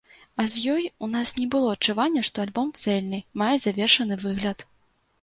А з ёй у нас не было адчування, што альбом цэльны, мае завершаны выгляд.